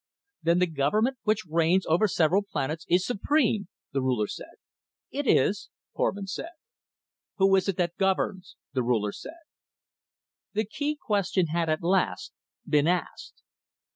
"Then the government which reigns over several planets is supreme," the Ruler said. "It is," Korvin said. "Who is it that governs?" the Ruler said. The key question had, at last, been asked.